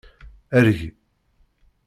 Erg!